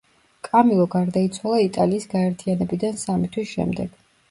კამილო გარდაიცვალა იტალიის გაერთიანებიდან სამი თვის შემდეგ.